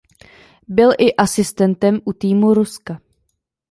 Byl i asistentem u týmu Ruska.